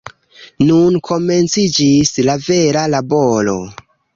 Nun komenciĝis la vera laboro!